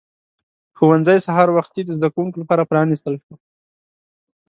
ښوونځی سهار وختي د زده کوونکو لپاره پرانیستل شو